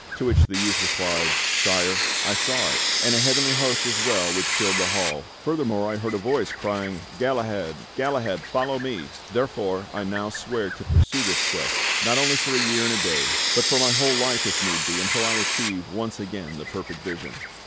'^" To which the youth replied: "Sire, I saw it, and a heavenly host as well which filled the hall. Furthermore I heard a voice crying: 'Galahad, Galahad, fol low me!' Therefore I now swear to pursue this Quest, not only for a year and a day, but for my whole life if need be, until I achieve once again the perfect vision."